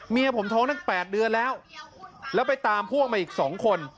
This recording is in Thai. เมียผมท้องตั้ง๘เดือนแล้วแล้วไปตามพวกมาอีก๒คน